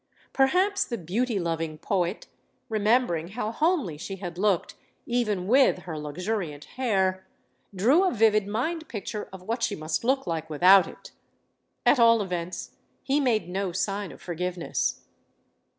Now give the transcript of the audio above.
Perhaps the beauty loving poet, remembering how homely she had looked, even with her luxuriant hair, drew a vivid mind picture of what she must look like without it. At all events, he made no sign of forgiveness.